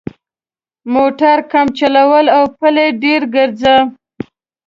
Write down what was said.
موټر کم چلوه او پلي ډېر ګرځه.